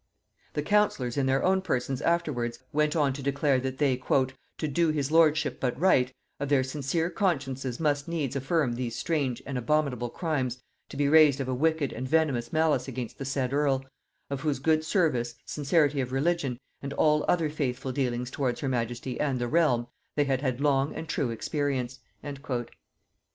The councillors in their own persons afterwards went on to declare, that they, "to do his lordship but right, of their sincere consciences must needs affirm these strange and abominable crimes to be raised of a wicked and venomous malice against the said earl, of whose good service, sincerity of religion, and all other faithful dealings towards her majesty and the realm, they had had long and true experience."